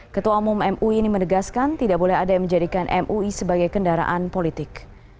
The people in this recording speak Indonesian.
ketua umum mui ini menegaskan tidak boleh ada yang menjadikan mui sebagai kendaraan politik